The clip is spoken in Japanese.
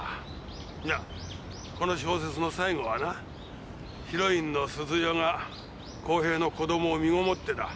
なあこの小説の最後はなヒロインの鈴代が康平の子供を身ごもってだ